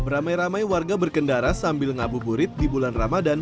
beramai ramai warga berkendara sambil ngabuburit di bulan ramadan